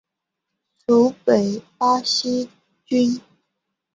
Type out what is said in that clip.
属北巴西郡。